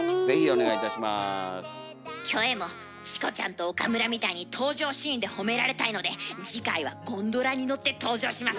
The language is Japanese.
キョエもチコちゃんと岡村みたいに登場シーンで褒められたいので次回はゴンドラに乗って登場します。